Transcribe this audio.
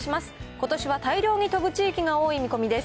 ことしは大量に飛ぶ地域が多い見込みです。